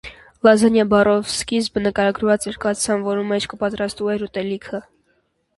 Լազանիա բառով սկիզբը նկարագրուած էր կաթսան, որու մէջ կը պատրաստուէր ուտելիքը։